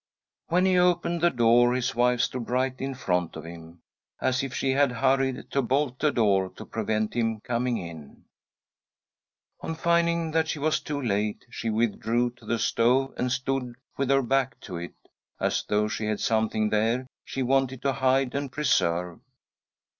When he opened the door, his wife stood right in front of him— as if she had hurried to bolt the door to prevent him coming in. On finding that she was too late, she withdrew to the stove and stood with her back to it, as though she had something there she wanted to hide and preserve.